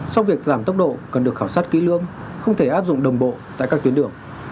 song việc giảm tốc độ cần được khảo sát kỹ lưỡng không thể áp dụng đồng bộ tại các tuyến đường